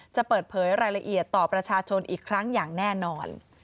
จะเปิดเผยรายละเอียดต่อประชาชนอีกครั้งอย่างแน่นอน